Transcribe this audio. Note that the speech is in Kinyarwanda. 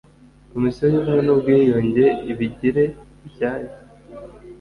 Komisiyo y’Ubumwe n’Ubwiyunge ibigire ibyayo